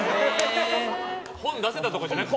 本、出せたとかじゃなくて？